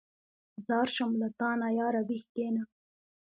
ځار شم له تانه ياره ویښ کېنه.